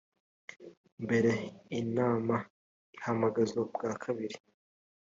mbere inama ihamagazwa bwa kabiri